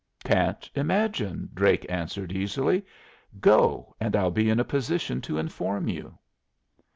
"Can't imagine," Drake answered, easily. "Go, and I'll be in a position to inform you."